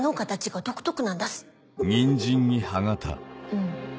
うん